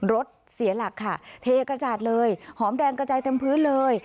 รถเสียหลักค่ะเทกระจาดเลยหอมแดงกระจายเต็มพื้นเลย